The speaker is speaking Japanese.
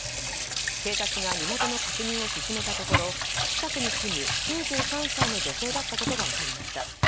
警察が身元の確認を進めたところ近くに住む、９３歳の女性だったことが分かりました。